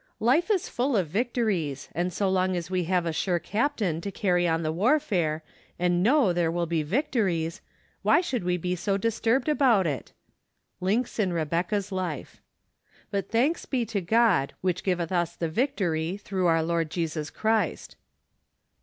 Life is full of victories, and so long as we have a sure Captain to carry on the warfare, and know there will be victories, why should we be so disturbed about it ? Links in Rebecca's Life. " But thanks be to God, which giveth us the vic¬ tory through our Lord Jesus Christ